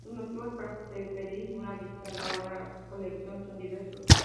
Los motivos para preferir una adición a una corrección son diversos.